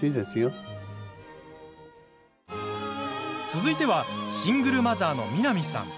続いては、シングルマザーのみなみさん。